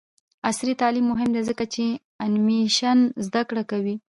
عصري تعلیم مهم دی ځکه چې د انیمیشن زدکړه کوي.